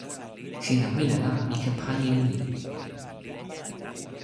sina wile la mi ken pali e ni.